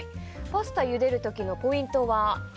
パスタをゆでる時のポイントは。